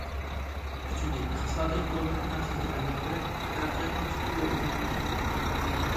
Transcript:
ئۈچىنچى، ئىقتىسادىي قۇرۇلمىنى تەڭشەشكە ئەھمىيەت بېرىپ، تەرەققىياتنىڭ سۈپىتى ۋە ئۈنۈمىنى ئۆستۈردۇق.